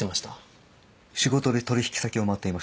仕事で取引先を回っていました。